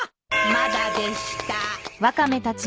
まだでした。